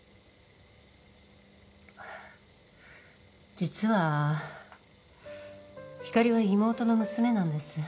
実はひかりは妹の娘なんです。